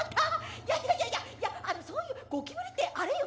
いやいやいやいやあのそういうゴキブリってあれよ。